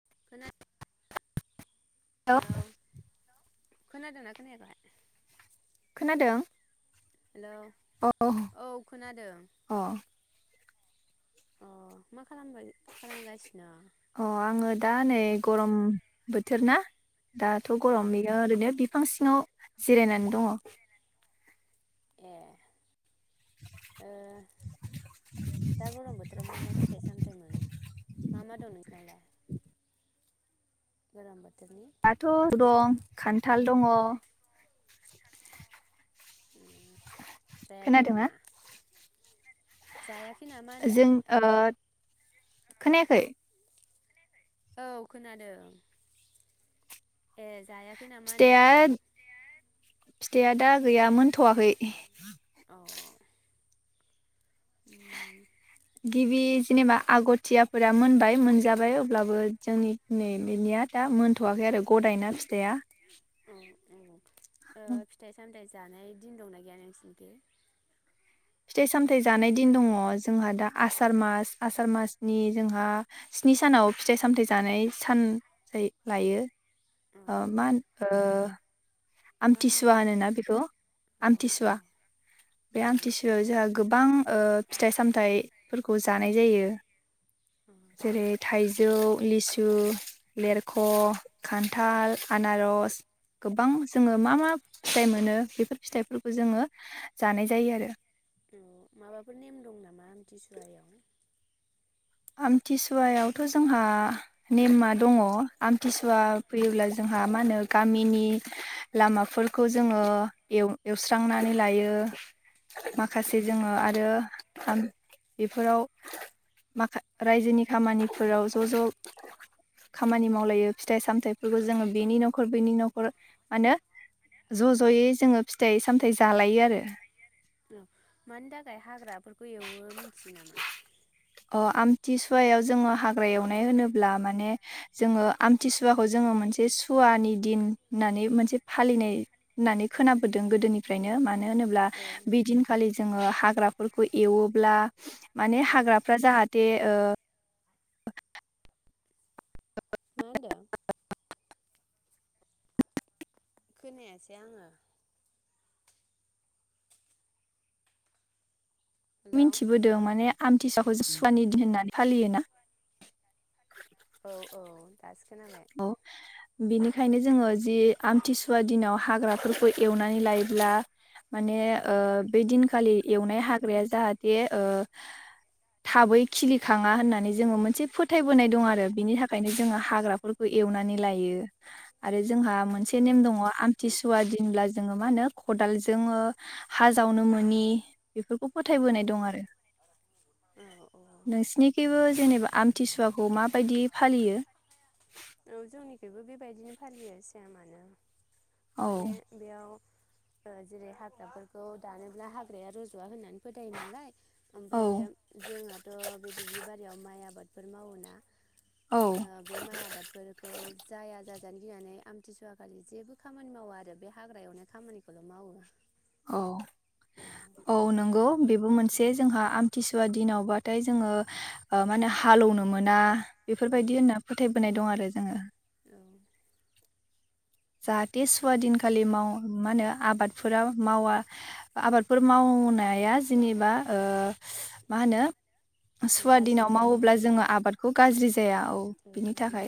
[unintelligible] Hello खोनादोंना खोनायाखै खोनादों हेलौ अ औ खोनादों। अ अ मा खालामगोन खालामगासिन' अ आङो दा नै गरम बोथोर ना दाथ' औ गरम बियो ओरैनो बिफां सिङाव जिरायनानै दङ। ए। ओ दा गरम बोथोराव मा मा फिथाइ-सामथाय मोनो मा मा दं नोंसिनावलाय? [unintelligible] दाथ' दं खान्थाल थाल दङ उम जायाखै खोनादोंना नामा? जायाखै नामा होनदां जों ओ खोनायाखै? औ खोनादों। ए जायाखै नामा होनदां? फिथाइआ दा गैया मोनथ'वाखै। अ उम। गिबि जेनेबा आग'थियाफोरा मोनबाय मोनजाबाय अब्लाबो जोंनि नै बिनिया दा मोनथ'वाखै आरो ग'दायना फिथाइया। औ औ। ओ फिथाइ-सामथाय जानाय दिन दंना गैया नोंसिनिखै? फिथाइ-सामथाय जानाय दिन दङ जोंहा दा आसार मास आसार मासनि जोंहा स्नि सानाव फिथाइ सामथाय जानाय सान लायो। औ ओ मान ओ मा होनो आमथिसुवा होनोना बेखौ अ अ आमथिसुवा बे औ औ आमथिसुवायाव जोंहा गोबां ओ फिथाइ-सामथाइफोरखौ जानाय जायो। जेरै थाइजौ लिसु लेरख खान्थाल आनारस गोबां जोङो मा मा फिथाइ मोनो बेफोर फिथाइफोरखौ जोङो जानाय जायो आरो। ओम माबाफोर नेम दं नामा आमथिसुआयाव? आमथिसुवायावथ जोंहा नेममा दङ ‌। आमथिसुआ फैयोब्ला जों जोंहा मा होनो गामिनि लामाफोरखौ जोङो एवस्रांनानै लायो माखासे जोङो आरो [unintelligible] बेफोराव माखा रायजोनि खामानिफोराव ज ज खामानि मावलायो फिथाइ सामथाइफोरखौ जोङो बेनि नखर बेनि नखर मा होनो ज जयै जोङो फिथाइ सामथाइ जालायो आरो। ओं मानि थाखाय हाग्राफोरखौ एवो मिथियो नामा? अ आमथिसुवायाव जोङो हाग्रा एवनाय होनोब्ला माने जोङो आमथिसुवाखौ जोङो मोनसे सुवानि दिन होननानै मोनसे फालिनाय होननानै खोनाबोदों गोदोनिफ्रायनो माने मानो होनोब्ला औ बे दिनखालि जोङो हाग्राफोरखौ एवोब्ला माने औ हाग्रा दे ओ [inaudible] मा होनदों? खोनायासै आङो हेलौ मिथिबोदों माने आमथिसुवाखौ जों सुवानि दिन होननानै फालियोना औ औ दासो खो औ बिनिखायनो जोङो जि आमथिसुवा दिनाव हाग्राफोरखौ एवनानै लायोब्ला माने ओ बे दिन खालि औ एवनाय हाग्राया जाहाथे ओ थाबै खिलिखाङा होननानै जोङो मोनसे फोथायबोनाय दं आरो बिनि थाखायनो जोङो हाग्रा फोरखौ एवनानै लायो आरो जोंहा मोनसे औ नेम दङ आमथिसुवा दिनब्ला जोङो मा होनो खदाल जोङो हा जावनो मोनि बेफोरखौ औ फोथायबोनाय दं आरो औ नोंसिनिखिबो जेनेबा आमथिसुवाखौ माबायदि फालियो? औ जोंनिखिबो बेबायदिनो फालियो सेमानो। औ माने बेयाव ओ जेरै हाग्राफोरखौ दानोब्ला हाग्राया रजवा होननानै फोथायो नालाय औ ओमफ्रायो जोंहाथ' बे दुब्लि बारियाव माइ आबाद फोर मावोना औ ओ बे माइ आबाद खौ जाया जाजानो गिनानै आमथिसुवा खालि जेबो खामानि मावा आरो बे हाग्राायावनो खामानिखौल मावो। औ औ नंगौ बे बो मोनसे जोंहा आमथिस सुवा दिनावबाथाय जोङो ओ माने हालौनो मोना औ बेफोरबायदि होनना फोथायबोनाय दं आरो। ओमफ्राय जोङो औ जाहाथे सुवा दिनखालि माव मा होनो आबादफोरा मावा आबादफोर मावनाया जेनेबा ओ मा होनो सुवा गाज्रि दिनाव जाया मावोब्ला औ जोङो आबादखौ गाज्रि जाया औ बिनि थाखाय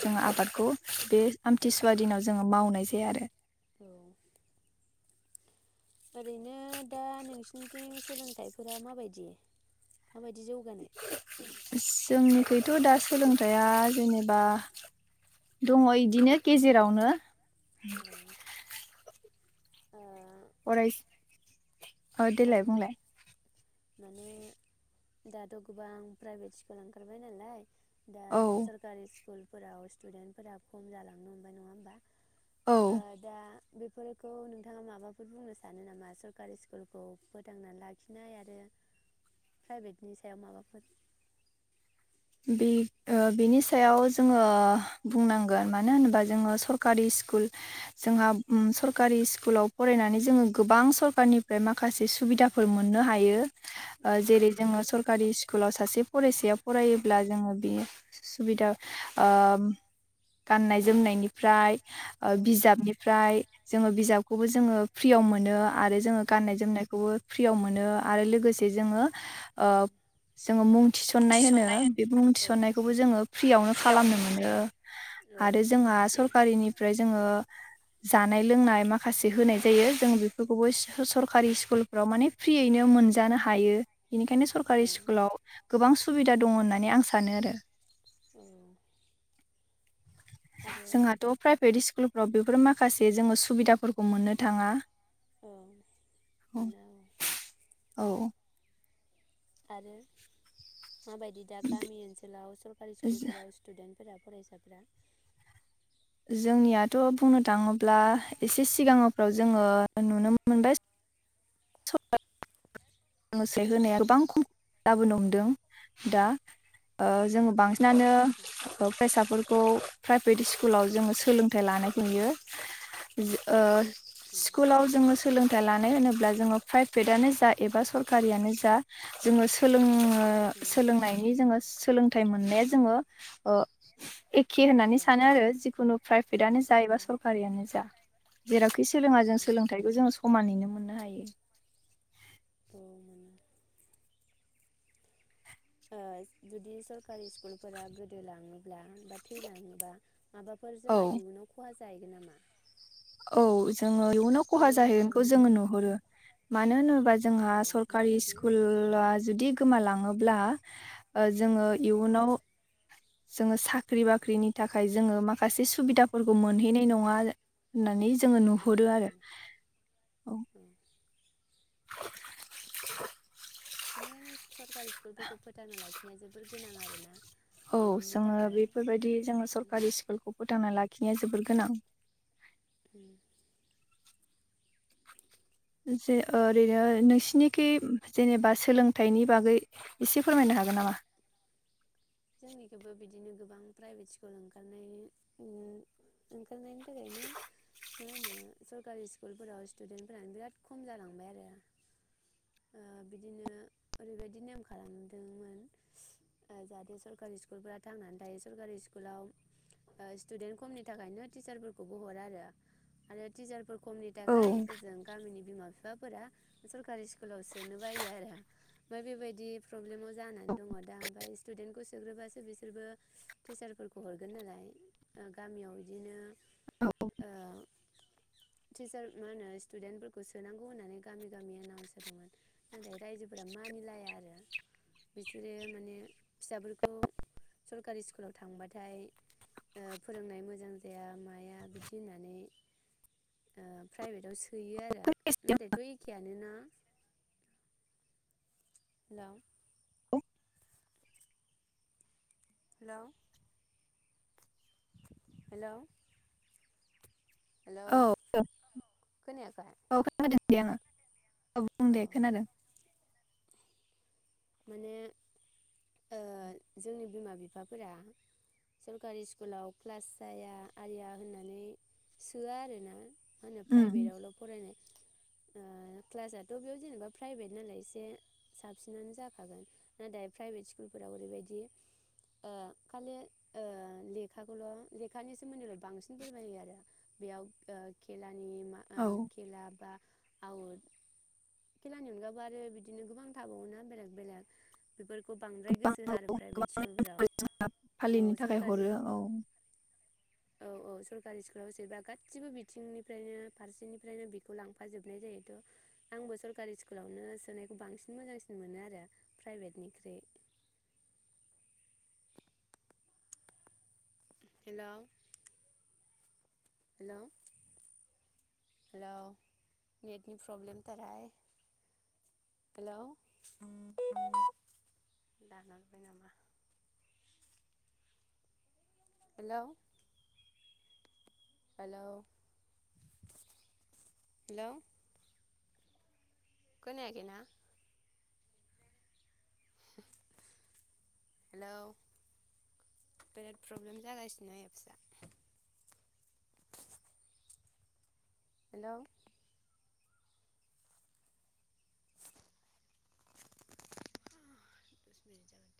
औ जोङो आबादखौ बे आमथिसुवा दिनाव जोङो मावनाय जाया आरो। औ ओरैनो दा नोंसनिथिं सोलोंथाइफोरा माबायदि? माबायदि जौगानाय? खैथ' दा सोलोंथाइया जेनेबा दङ इदिनो गेजेरावनो औ ओ फराय औ मा देलाय बुंलाय माने दाथ' गोबां प्राइभेट स्कुल ओंखारबाय नालाय दा औ सरकारि स्कुलफोराव स्टुदेन्टफोरा खम जालांनो हमबाय नङा होमबा? औ ओ दा बेफोरखौ नोंथाङा माबाफोर बुंनो सानो नामा सरकारि स्कु स्कुलखौ फोथांनानै लाखिनाय आरो प्राइभेटनि सायाव माबाफोर बे ओ बिनि सायाव जोङो बुंनांगोन मानो होनोबा जोङो सरकारि स्कुल जोंहा सरकारि स्कुलाव फरायनानै जोङो गोबां सरकारनिफ्राय माखासे सुबिदाफोर मोननो हायो। ओ जेरै जोङो सरकारि स्क कुलाव सासे फरायसाया फरायो ब्ला जोङो बे सुबिदा ओ गाननाय जोमनायनिफ्राय ओ औ बिजाबनिफ्राय जोङो बिजाब खौबो जोङो फ्रियाव मोनो। आरो जोङो गाननाय औ जोमनायखौबो फ्रियाव मोनो आरो लोगोसे जोङो ओ जोङो मुं औ थिसन्नाय होनो थिसननाय बे मुं औ थिसन्नायखौबो जोङो फ्रियावनो खालामनो मोनो आरो जोंहा सरकारिनिफ्राय जोङो जानाय लोंनाय माखासे होनाय जायो जों बेफोरखौबो स सरकारि स्कुलफ्राव माने फ्रियैनो मोनजानो हायो। बेनिखायनो सरकारि औ स्कुलाव गोबां सुबिदा दङ होनन नानै आं सानो आरो। औ आरो जोंहाथ' प्राइभेट स्कुल राव बेफोर माखासे जोङो सुबिदाफोरखौ मोननो थाङा औ औ मोना औ आरो माबायदि दा गामि ओनसोलाव सरकारि स्कुलफोराव स्टुदेन्ट फोरा फरायसाफोरा जोंनियाथ' बुंनो थाङोब्ला एसे सिगाङावफ्राव जोङो नुनो मोनबाय। [unintelligible] होनाया गोबां खम जाबोनोहमदों दा ओ जों बांसिनानो औ फेसाफोर खौ प्राइभेट इस्कुलाव जोङो सोलोंथाइ लानायखौ नुयो। औ स्कुलाव जोङो सोलों ला लानो होनोब्लाद जोङो प्राइभेटानो जा एबा सरकारियानोज जा जोङो सोलोङो उम सोलोंनायनि जोङो सोलोंथाइ मोननाया हायो जोङो ओ एखे होननानै सानो एखेयानो आरो जिखुनु प्राइभेटानो जा एबा उम उम सरकारियानो जा जेरावखि सोलोङा जों सोलोंथाइखौ जोङो समानैनो मोननो हायो। दावमोना ओ जुदि सरकारि स्कुलफोरा गोदोलाङो ब्ला बा थैलाङोबा माबाफोर जोङा इयुनाव खहाज जायैगोन नामा? औ जोङो इयुनाव खहा जाहैगोनखौ जोङो नुहरो मानो होनोबा जोंहा औ सरकारि माबायदि औ स्कुला जुदि गोमालांं ओब्ला ओ जोङो इयुनाव जोङो साख्रि बाख्रिनि थाखाय जोङो माखासे सुबिदाफोरखौ औ मोनहैनाय नङा होननानैज जोङो नुहरो औ आरो औ [inaudible] [unintelligible] सरकारि स्कुलफोरखौ फोथांना लाखि नाया जोबोर गोनां आरो ना? औ जोङो बेफोरबायदि जोङो सरकारि स्कुलखौ फोथांना लाखिनाया जोबोर गोनां उम जे ओ ओरैनो नोंसिनिखि जेनेबा सोलोंथाइनि बागै इसे फोरमायनो हागोन नामा? जोंनिखोबो बिद दिनो गोबां प्राइभेट स्कुल ओंखारनायनि उम ओंखारनायनि थाखायनो मा होनो सरकारि स्कुलफोराव स्टुदेन्टफोरानो बिराद खम जालांबाय आरो ओ बिदिनो ओरैबायदि नेम खालामदोंमोन ओ जाहाथे सरकारि स्कुलफोरा थांनानै थायो सरकारि स्कुलाव ओ स्टुडेन्ट खमनि थाखायनो टिचारफोरखौबो हरा आरो टिचारफोर खमनि औ थाखाय ओजों गामिनि बिमा बिफा फोरा सरकारि सि लाव सोनो बायो आरो ओमफाय बेबायदि प्रब्लेमाव जानानै दङ दा ओमफाय स्टुदेन सोग्रोबासो बिसोरबो टिचारफोरखौ हरगोन नालाय ओ गामियाव इदिनो ओ टिचार मा होनो स्टुदेन्टफोरखौ सोनांगौ होननानै गामि गामि एनाउन्स होदोंमोन नाथाय रायजोफोरा मानिलाया आरो बिसोरो माने फिसाफोरखौ खौ सरकारि स्कुलाव थांबाथाय ओ फोरोंनाय मोजां जाया माया बिदि होननानै ओ प्राइभेटाव सो हैयो आरो नाथायथ' एक एखेयानो ना। लाव। हेलौ। हेलौ। हेलौ औ [unintelligible] खोनायाखै खोनादों। दे आङो। अ बुं औ दे खोनादों। माने ओ जोंनि बिमा बिफाफोरा सरकारि स्कुलाव क्लास जाया आरिया होननानै सोआ आरोना। मा होनो उम प्राइभेटआवल फरायनाय। ओ क्लासाथ बेयाव जेनेबा प्राइभेट नालाय एसे साबसिनानो जा खागोन नाथाय प्राइभेट स्कुलफोराव ओरैबायदि ओ खालि ओ लेखाखौल लेखानि सोमोन्दैल बांसिन फोरमायो आरो ओ बेयाव खेला नि मा औ ओ खेला बा आव खेलानि अनगाबो आरो बिदिनो गोबां थाबावोना बेलेग। बेफोरखौ बांद्राय गोबां गोसो होआ औ आरो प्राइभेट गोबां स्कुलफोराव औ फालिनो थाखाय सरकारि हरो औ औ औ। सरकारि स्कुलाव सोबा गासिबो बिथिंनिफ्रायनो फारसेनिफ्रायनो बेखौ लांफा जोबनाय जायो थ आंबो सरकारि स्कुलावनो सोनायखौ बांसिन मोजांसिन मोनो आरो। प्राइभेटनिख्रुइ। हेलौ। हेलौ हेलौ नेटनि प्रब्लेमथारहाय हेलौ [unintelligible] हेलौ। Hello hello. खोनायाखै ना। हेलौ बिराद प्रब्लेम जागासिनो एपसआ। हेलौ। [unintelligible]